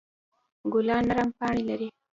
ګلان نرم پاڼې لري.